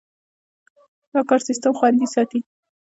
دا کار سیستم خوندي ساتي.